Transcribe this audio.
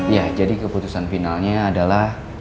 ya jadi keputusan finalnya adalah